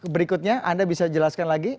berikutnya anda bisa jelaskan lagi